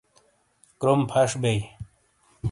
کروم فش بیئ۔